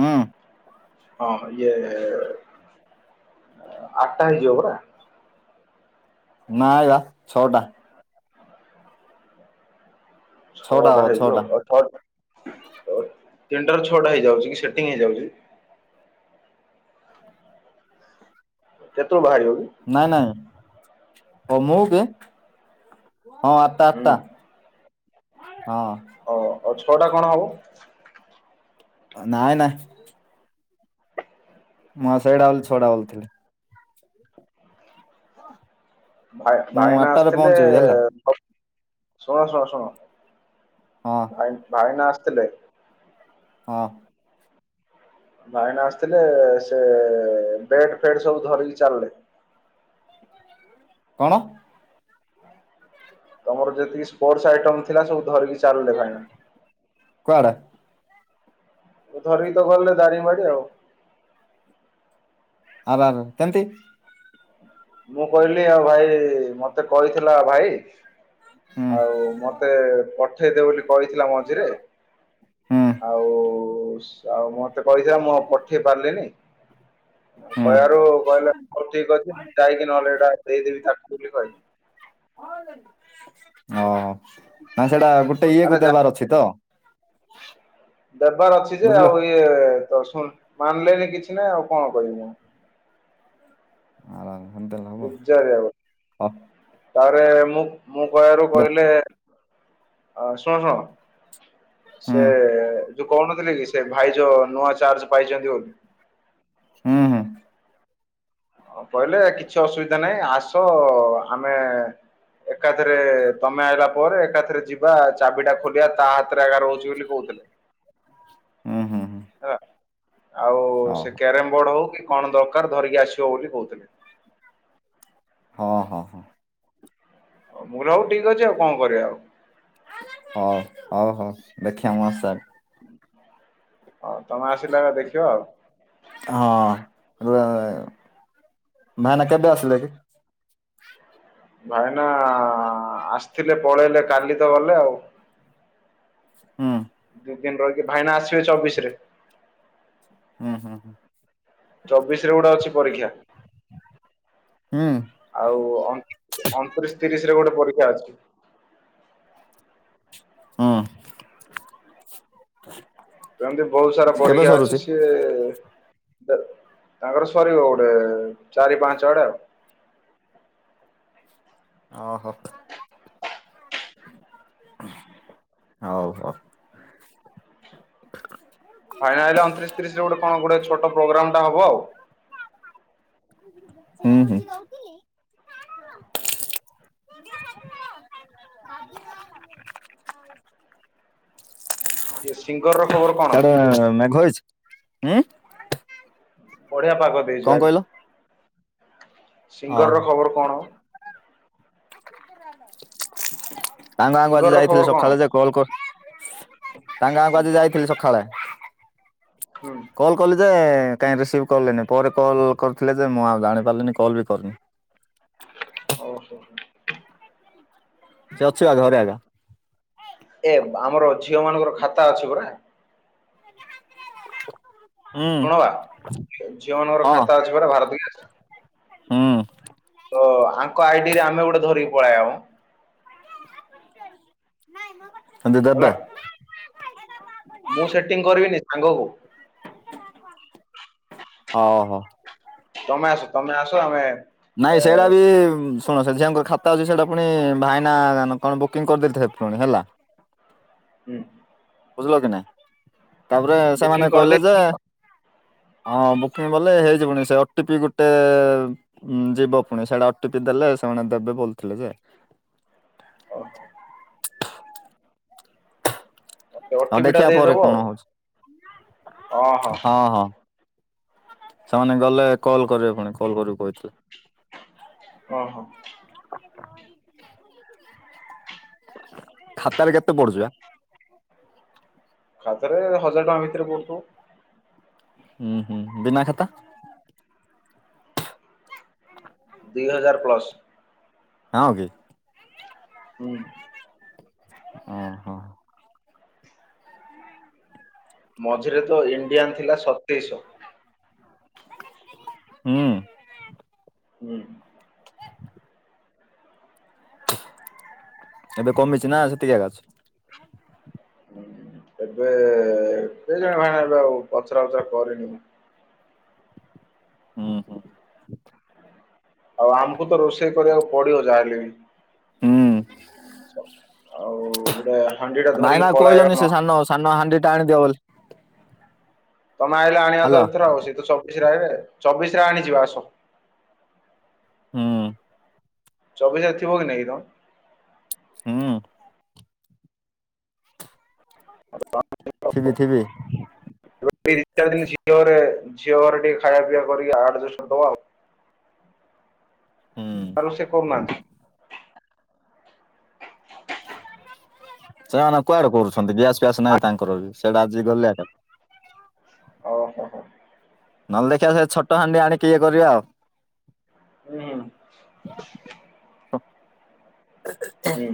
ହୁଁ। ଓ ହୋ ଇଏ ଆଟା ହେଇଯିବ ପରା। ନାଇଁ ବା ଛଅଟା। ଛଅଟା ହେଇଯିବ ଛ ଅ, ତିନିଟାରୁ ଛଅଟା ହେଇଯାଉଚି କି ସେଟିଂ ହେଇଯାଉଚି। କେତେବେଳେ ଭାରିବ କି? ନାଇଁ ନଈ ତ ମୁଁ ଏବେ ହଁ ହୁଁ ଆଠଟା ଆଠଟା ହଁ। ହଉ ଆଉ ଛଅଟା କଣ ହବ? ନାଇଁ ନାଇଁ। ମୋ ସେଇଟା ବୋଲି ଛଅଟା ଭାବୁଥିଲି। [inaudible] ଭାଇ ମୁଁ ଭାଇନା ଆଠଟାରେ ଆସିଥିଲେ ପହଞ୍ଚିବି ହେଲା କ, ଶୁଣ ଶୁଣ ଶୁଣ ହଁ। ଭାଇ ଭାଇନା ଆସିଥିଲେ ହଁ। ଭାଇନା ଆସିଥିଲେ, ସେ ବେଡ୍ ଫେଡ୍ ସବୁ ଧରିକି ଚାଲିଲେ। କଣ? ତମର ଯେତିକି ସ୍ପୋର୍ଟସ ଆଇଟମ ଥିଲା, ସବୁ ଧରିକି ଚାଲିଲେ ଭାଇନା। କଣ? ଧରିକି ତ ଗଲେ ଦାରିଙ୍ଗବାଡ଼ି ଆଉ। ଆରେ ଆରେ କେମିତି? ମୁଁ କହିଲି ଆଉ ଭାଇ ମତେ କହିଥିଲା ଭାଇ, ହୁଁ ଆଉ ମ ମତେ ପଠେଇଦେ ବୋଲି କହିଥିଲା ମଝିରେ। ହୁଁ ଆଉ ସ ଆଉ ମ ତେ କହିଥିଲା ମୁଁ ପଠେଇ ପାରିଲିନି, ହୁଁ କହିଆରୁ କହିଲେ ହଉ ଠିକ୍ ଅଛି। ଦେବି, ନହେଲେ ଏଇଟା ଦେଇ ଦେବି ତାକୁ ବୋଲି କହିଲେ। ହଁ- ହଁ ସେଟା ଗୋଟେ ଆରେ ଇଏକୁ ଯା ଦେବାର ଅଛି। ଛି ତ। ଦବାର ଅଛି ଯେ, ବୁଝିଲ ଆଉ ଇଏ ତ ଶୁଣୁ ମାନିଲେନି କିଛି ନାହିଁ ଆଉ କଣ କହିବି ମୁଁ। ଆଉ ହେନ୍ତା ହେଲେ ହବ? ତିଆରି ହବ, ହଉ ତାପରେ ମୁଁ -ମୁଁ କହିଆରୁ କହିଲେ ଆ ଶୁଣ ଶୁଣ, ସେ ହୁଁ ଯୋଉ କହୁନଥିଲି କି ସେ ଭାଇ ଯୋଉ, ନୂଆ ଚାର୍ଜ ପାଇଚନ୍ତି ବୋଲି ହୁଁ- ହୁଁ। ଆଉ କହିଲେ କିଛି ଅସୁବିଧା ନାହିଁ, ଆସ ଆମେ ଏକାଥେରେ ତମେ ଆଇଲା ପରେ ଏକାଥେରେ ଯିବା ଚାବିଟା ଖୋଲିବା ତା ହାତରେ ଏଗା ରହୁଚି ବୋଲି କହୁଥିଲେ ଉଁ ହୁଁ ହୁଁ। ହେଲା ଆଉ ସେ କ୍ୟାରେମ୍ ବୋର୍ଡ ହଉ କି କଣ ଦରକାର ଧରିକି ଆସିବ ବୋଲି କହୁଥିଲେ। ହଁ ହଁ। ମୁଁ କହିଲି ହଉ ଠିକ୍ ଅଛି ଆଉ କଣ କରିବା ଆଉ। ହଉ ହଉ ହଉ ଦେଖିଆ ମ ସାର୍ ହଉ ତମେ ଆସିଲେ ଦେଖିବା ଆଉ। ହଁ ରେ ଭାଇନା କେବେ ଆସିଲେ କି? ଭାଇନା ଆସିଥିଲେ ପଳେଇଲେ କାଲି ତ ଗଲେ ଆଉ। ହଁ। ଦି ଦିନ ରହିକି ଭାଇନା ଆସିବେ ଚବିଶରେ। ହୁଁ ହୁଁ ହୁଁ। ଚବିଶରେ ଗୋଟେ ଅଛି ପରୀକ୍ଷା। ହୁଁ। ଆଉ ଅଣ ଅଣତିରିଶ ତିରିଶରେ ଗୋଟେ ପରୀକ୍ଷା ଅଛି। ହଁ। କେମତି ବୋହୁତ ସାରା ପରୀକ୍ଷା ଅଛି ସରୁଛି? ସିଏ ତାଙ୍କର ସରିବ ଗୋଟେ ଚାରି ପାଞ୍ଚ ଆଡେ ଆଉ ଓ ହୋ। ହଉ ହଉ। ଭାଇନା ଅଣତିରିଶତିରିଶରେ ଗୋଟେ କଣ ଗୋ ଛୋଟ ପ୍ରୋଗ୍ରାମ ଟା ହବ ଆଉ। ହୁଁ ହୁଁ। ଏ ସିଙ୍ଗର ଖବର କଣ? ତାର ମଘଇ ହୁଁ ବଢିଆ ପାଗ ଦେଇଜି କଣ କହିଲ? ଭାଇ ସିଙ୍ଗର ଓହୋ ର ଖବର କଣ? ତାଙ୍କ ଗାଁଆଙ୍କୁ ସିଙ୍ଗର ଆଜି ର ଖବର ଯାଇଥିଲି କଣ? ସକାଳେ ଯେ କଲ କ ତାଙ୍କ ହୁଁ ଗାଁକୁ ଆଜି ଯାଇଥିଲି ସକାଳେ ହୁଁ। କଲ୍ କଲି ଯେ କାହିଁ ରିସିଭ୍ କଲେନି ପରେ କଲ୍ କରିଥିଲେ ଯେ ମୁଁ ଆଉ ଜାଣିପାରିଲିନି କଲ୍ ବି କରିନି ଓ ହୋ ସେ ଅଛି ବା ଘରେ ଆଗା ଏ ଆମର ଝିଅ ମାନଙ୍କର ଖାତା ଅଛି ପରା [inaudible] ଶୁଣବା ଝିଅ ମାନଙ୍କର ଖାତା ଅଛି ପରା ଭାରତ ହଁ। ତ ଆଙ୍କ ଆଇଡିରେ ଆମେ ଗୋଟେ ଧରିକି ପଳେଇ ଆଉ [inaudible] ଆ ହେଲା ଦବା ମୁଁ ସେଟିଂ କରିବିନି ସାଙ୍ଗକୁ, [inaudible] ହ ହଁ। ତମେ ଆସ ତମେ ଆସ ଆମେ ନାଇଁ ସେଇଟା ବି ଶୁଣ ସେ ଆଙ୍କ ଖାତା ଅଛି ସେଇଟା ପୁଣି ଭାଇନା ଦା କଣ ବୁକିଂ କରିଦେଇଥିଲେ ପୁଣି ହେଲା ହୁଁ। ବୁଝିଲ କି ନାଇ ତାପରେ ବୁକିଂ ସେମାନେ କହିଲେ କରିଦେଇ ଯେ ହଁ ବୁକିଂ ବଲେ ହେଇଯିବନି ସେ ଓଟିପି ଗୋଟେ ହୁଁ ଯିବ ପୁଣି ସେଇଟା ଓଟିପି ଦେଲେ ସେମାନେ ଦେବେ ବୋଥିଲେ ଯେ ଓହୋ। ଆଉ ଓଟିପି ଟା ଦେଖିବା ପରେ ଦେଇଦବ କଣ ହଉଛି ହଁ ହଁ। ସେମାନେ ଗଲେ କଲ୍ କରିବେ ପୁଣି କଲ୍ କରିବାକୁ କହିଥିଲେ ହ ହୋ। ଖାତାରେ କେତେ ପଡୁଚି ବା ଖାତାରେ ହଜାର ଟଙ୍କା ଭିତରେ ପଡୁଥିବ। ଉଁ ହୁଁ ବିନା ଖାତା [unintelligible] ଦି ହଜାର ପ୍ଲସ୍। ହଁ କି। ହୁଁ। ଓ ହୋ। ମଝିରେ ତ ଇଣ୍ଡିଆନ୍ ଥିଲା ସତ ତେଇ ଶ। ହୁଁ। ହୁଁ। ଏବେ କମିଛି ନା ସେତିକି ଏଗା ଅଛି? ହୁଁ ଏବେ କେଜାଣି ଭାଇନା ଏବେ ଆଉ ପଚରା ଉଚରା କରିନି ମୁଁ। ହୁଁ ହୁଁ। ଆଉ ଆମକୁ ତ ରୋଷେଇ କରିବାକୁ ପଡିବ ଯାହାହେଲେ ବି। ହୁଁ ଆଉ ଗୋଟେ ହାଣ୍ଡି ଟା ଧରିକି ଭାଇମା କୁ ପଳାଇବା କହିଲନି ନ ସେ ସାନ ସାନ ହାଣ୍ଡି ଟା ଆଣିଦିଅ ବୋଲି ତମେ ଆଇଲେ ଆଣିବା ତ ହ୍ୟାଲୋ। ଏଥର ଆଉ ସେ ତ ଚବିଶ ରେ ଆଇବେ ରେ ଚବିଶ ରେ ଆଣିଯିବା ଆସ। ହୁଁ। ଚବିଶ ରେ ଥିବ କି ନାଇଁ? ହୁଁ। ଥିବି ଥିବି। [unintelligible] ଝିଅ ଘର ଟିକେ ଖାଇବା ପିଇବା କରିକି ଆଡଜଷ୍ଟ କର୍ ଦବା ଆଉ। ହୁଁ [unintelligible] କରୁ ନାହାନ୍ତି। ସେମାନେ କୁଆଡେ କରୁଛନ୍ତି ଗ୍ୟାସ୍ ଫ୍ୟାସ ନାହିଁ ତାଙ୍କର ବି ସେଟା ଆଜି ଗଲେ ତ ଓହୋ ହୋ। ନହେଲେ ଦେଖିବା ସେ ଛୋଟ ହାଣ୍ଡି ଆଣିକି ଇଏ କରିବା ଆଉ। ହୁଁ ହୁଁ। [unintelligible] ହୁଁ।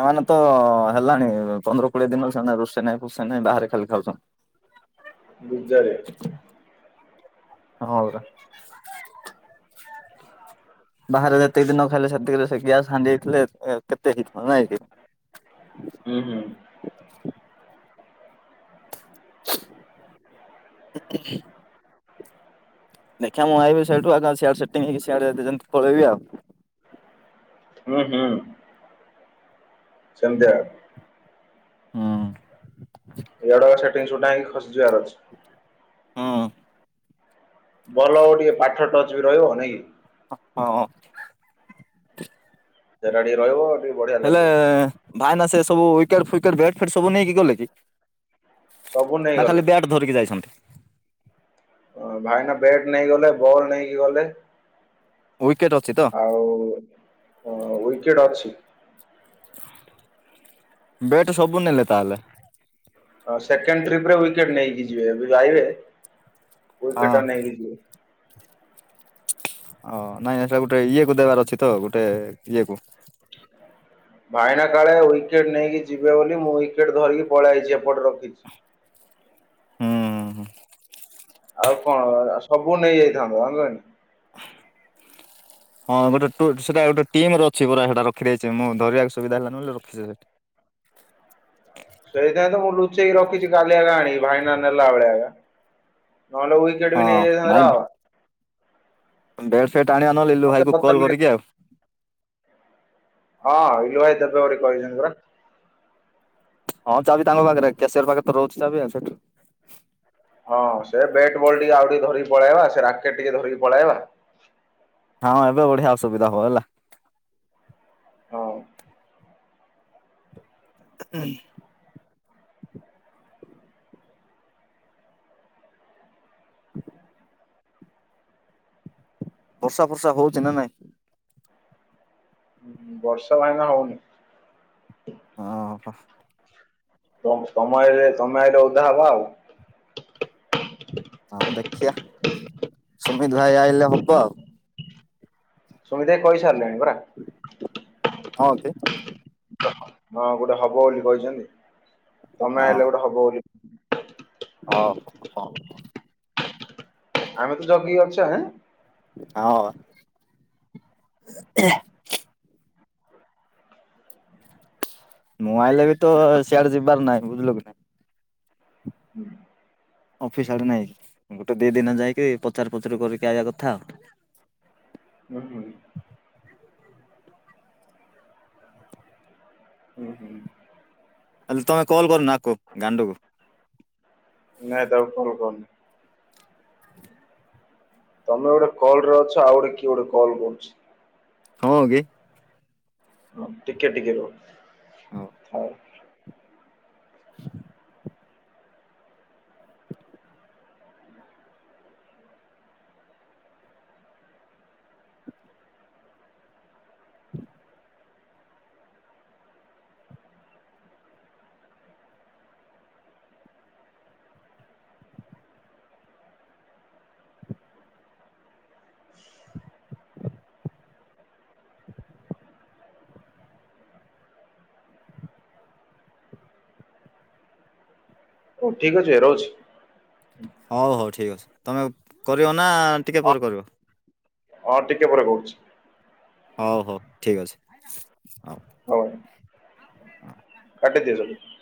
ଏମାନେ ତ ହେଲାଣି ପନ୍ଦର କୋଡିଏ ଦିନ ସେମାନେ ରୋଷେଇ ନାହିଁ ପୋଷେଇ ନାହିଁ ବାହାରେ ଖାଲି ଖାଉଛନ୍ତି। ବିଜା ରେ। ହଁ ପରା। ବାହାରେ ଯେତିକି ଦିନ ଖାଇଲେ ସେତିକିରେ ସେ ଗ୍ୟାସ ହାଣ୍ଡି ହେଇଥିଲେ ଇଏ କେତେ ହେଇ ଥାନ୍ତା ନାଇଁ କି? ହୁଁ ହୁଁ। [unintelligible] ଦେଖିବା ମୁଁ ଆଇବି ସେଇଟୁ ଏକା ସେଟିଂ ସିଆଡେ ଯେନ୍ତି ପଳେଇ ଆଉ। ଉଁ ହୁଁ ସେମତିଆ। ହୁଁ। ଇଆଡୁ ଆଡୁ ସେଟିଂ ସୁଟାକି ଖସିଯିବାର ଅଛି। ହଁ। ଭଲ ହବ ଟିକେ ପାଠ ଟଚ୍ ବି ରହିବ ନାଇ କି? ହ ହଁ। ଜାଗା ରହିବ ଟିକେ ବଢିଆ ହେଲେ ଲାଗିବ ଭାଇନା ସେ ସବୁ ୱିକେଟ ଫ୍ୱିକେଟ୍ ବ୍ୟାଟ ଫେଟ ସବୁ ନେଇକି ଗଲେ କି? ସବୁ ନା ନେଇଗଲେ ଖାଲି ବ୍ୟାଟ ଧରିକି ଯାଇଛନ୍ତି? ଭାଇନା ବ୍ୟାଟ୍ ନେଇଗଲେ ବଲ୍ ନେଇକି ଗଲେ। ୱିକେଟ ଅଛି ତ? ଆଉ ୱିକେଟ ଅଛି। ବେଟ୍ ସବୁ ନେଲେ ତାହେଲେ। ହଁ ସେକେଣ୍ଡେ ଟ୍ରିପରେ ୱିକେଟ ନେଇକି ଯିବେ। ଏବେ ଆଇବେ ହଁ ୱିକେଟ ନେଇକି ଯିବେ। ଓ ନାଇଁ ନାଇଁ ସେଇଟା ଗୋଟେ ଇଏ କୁ ଦେବାର ଅଛି ତ ଗୋଟେ ଇଏ କୁ। [inaudible] ଭାଇନା କାଳେ ୱିକେଟ ନେଇକି ଯିବେ ବୋଲି ମୁଁ ୱିକେଟ ଧରିକି ପଳେଇଛି ଏପଟେ ରଖିଛି। ହୁଁ ହୁଁ ହୁଁ। ଆଉ କଣ ସବୁ ନେଇଯାଇଥାନ୍ତ। [unintelligible] ହଁ ଗୋଟେ ସେଟା ଗୋଟେ ଟିମି ରେ ଅଛି ପୁରା ସେଇଟା ରଖି ଦେଇଛି। ମୁଁ ଧରିବାକୁ ସୁବିଧା ହେଲାନି ବୋଲି ରଖିଛି ସେଠି। ସେଇଥିପାଇଁ ତ ମୁଁ ଲୁଚେଇକି ରଖିଛି। କାଲି ଆକା ଆଣିବି ଭାଇନା ନେଲା ବେଳେ। ନହେଲେ ଉଇ ଟିକେଟ ହଁ ନେଇ ଯାଇଥାନ୍ତେ ର ବ୍ୟାଟ୍ ଫେଟ ଆଣିବା ନହଲେ ଇଲୁ ମତେ ଭାଇକୁ କଲ୍ ପଚାରିଲେ କରିକି ଆଉ। ହଁ ଇଲୁ ଭାଇ ଦେବେ ବୋଲି କହିଛନ୍ତି ପରା। ହଁ ଚାବି ତାଙ୍କ ପାଖରେ କ୍ୟାସିୟର ପାଖରେ ତ ରହୁଛି ଚାବି। ଆଉ ସେଠୁ ହଁ ସେ ବେଟେ ବଲ ଟିକେ ଆଉ ଟିକେ ଧରିକି ପଳେଇବା। ସେ ରାକେଟ ଟିକେ ଧରିକି ପଳେଇବା। ହଁ ଏବେ ବଢିଆ ସୁବିଧା ହବ ହେଲା। ହଁ। ହୁଁ ହୁଁ। ବର୍ଷା ଫର୍ଷା ହଉଛି ନା ନାଇଁ। ବର୍ଷା ଭାଇନା ହଉନି। ଓହୋ। ସମୟରେ ତମ ଆରେ ଓଦା ହବା ଆଉ। ହଁ ଦେଖିଆ ସୁମିତ ଭାଇ ଆଇଲେ ହବ ଆଉ। ସୁମିତ ଭାଇ କହି ସାରିଲେଣି ପରା। ହଁନ୍ତି। ହଁ ଗୋଟେ ହବ ବୋଲି କହିଛନ୍ତି। ତମେ ଆଇଲେ ଗୋଟେ ହବ ବୋଲି ହଁ ହଁ ହଁ। ଆମେ ତ ଜଗିକି ଅଛେ। ଆଁ। ହଁ। ମୁଁ ଆଇଲେ ବି ତ ସିଆଡେ ଯିବାର ନାହିଁ ବୁଝିଲୁ କି ନାଇଁ। ହୁଁ। ଅଫିସ ଆଡେ ନେଇକି। ଗୋଟେ ଦି ଦିନ ଯାଇକି ପଚାର ପଚାରୁ କରିକି ଆଇବା କଥା ଆଉ। ହୁଁ ହୁଁ। ହୁଁ ହୁଁ। ଆଲେ ତମେ କଲ୍ କରୁନ ଆକୁ ଗାଣ୍ଡୁକୁ। ନାଇଁ ତାକୁ କଲ କରନି। ହ। ତମେ ଗୋଟେ କଲ ରେ ଅଛ। ଆଉ ଗୋଟେ କିଏ ଗୋଟେ କଲ୍ କରୁଛି। ହଁ କି। ହଁ ଟିକେ ଟିକେ ରୁହ। ହଉ [inaudible] [inaudible] ହଉ ଠିକ ଅଛି ରହୁଛି। ହଉ ହଉ ଠିକ୍ ଅଛି। ତମେ କରିବ ନା ଟିକିଏ ହଁ ପରେ କରିବ। ହଁ ଟିକେ ପରେ କହୁଛି। ହଉ ହଉ ଠିକ ଅଛି ହଉ। ହଉ। କାଟି ଦିଅ ଜଲଦି।